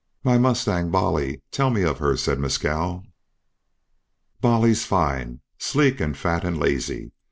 "My mustang Bolly tell me of her," said Mescal. "Bolly's fine. Sleek and fat and lazy!